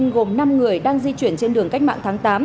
gồm năm người đang di chuyển trên đường cách mạng tháng tám